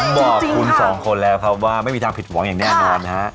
บอกคุณสองคนแล้วครับว่าไม่มีทางผิดหวังอย่างแน่นอนนะฮะ